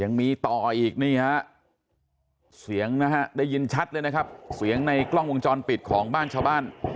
ยังมีต่ออีกนี่ฮะเสียงนะฮะได้ยินชัดเลยนะครับเสียงในกล้องวงจรปิดของบ้านชาวบ้าน